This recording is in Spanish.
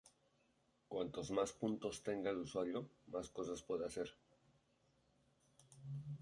Cuantos más puntos tenga el usuario, más cosas puede hacer.